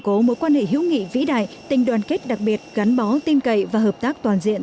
cố mối quan hệ hữu nghị vĩ đại tình đoàn kết đặc biệt gắn bó tin cậy và hợp tác toàn diện